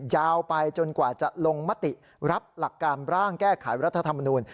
ยาวไปจนกว่าจะลงมติรับหลักการร่างแก้ไขรัฐธรรมนูล